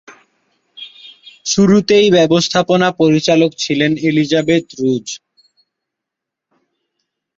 শুরুতেই ব্যবস্থাপনা পরিচালক ছিলেন এলিজাবেথ রুজ।